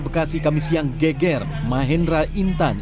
bekasi kamisian geger mahendra intan